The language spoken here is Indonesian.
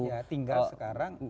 minta ya tinggal sekarang